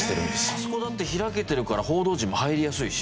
あそこだって開けてるから報道陣も入りやすいし。